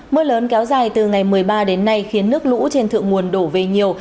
mưa lớn kéo dài từ ngày một mươi ba đến nay khiến nước lũ trên thượng nguồn đổ về nhiều